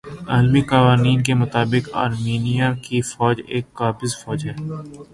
عالمی قوانین کے مطابق آرمینیا کی فوج ایک قابض فوج ھے